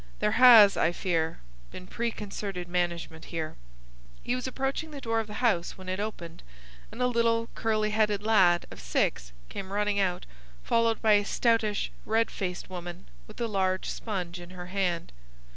There has, I fear, been preconcerted management here." He was approaching the door of the house, when it opened, and a little, curly headed lad of six came running out, followed by a stoutish, red faced woman with a large sponge in her hand.